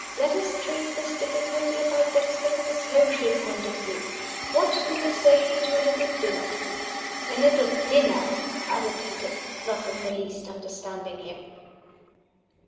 Let us treat this difficulty about Dexter from a social point of view. What do you say to a little dinner?" "A little dinner?" I repeated, not in the least understanding him.